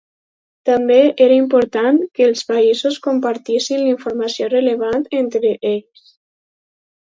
També era important que els països compartissin informació rellevant entre ells.